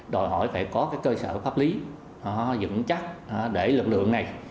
đòi hỏi phải có cái cơ sở pháp lý dựng chắc để lực lượng này